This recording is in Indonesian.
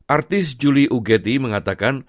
artis julie uggeti mengatakan